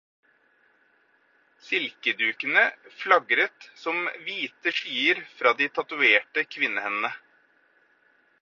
Silkedukene flagret som hvite skyer fra de tatoverte kvinnehendene.